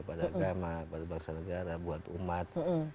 pada agama kepada bangsa negara buat umat